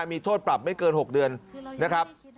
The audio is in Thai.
มีโทษปรับไม่เกิน๖เดือนนะครับ